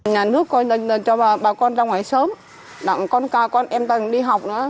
nhà nước cho bà con ra ngoài sớm đặng con ca con em ta đi học nữa